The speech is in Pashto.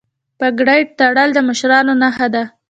پګړۍ تړل د مشرانو نښه ده.